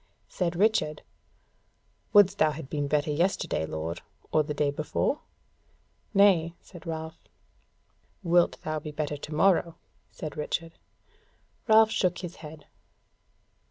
Said Richard: "Wouldst thou have been better yesterday, lord, or the day before?" "Nay," said Ralph. "Wilt thou be better to morrow?" said Richard. Ralph shook his head.